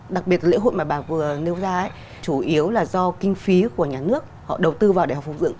đặc biệt lễ hội mà bà vừa nêu ra chủ yếu là do kinh phí của nhà nước họ đầu tư vào để họ phục dựng